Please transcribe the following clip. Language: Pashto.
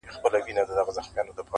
پردی غم -